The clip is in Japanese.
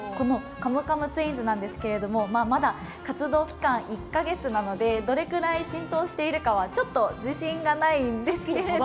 カムカムツインズなんですけどもまだ、活動期間１か月なのでどれくらい浸透しているかはちょっと自信がないんですけど。